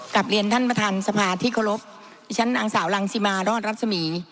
กลับเรียนท่านประธานสภาที่เคารพดิฉันนางสาวรังสิมารอดรัศมี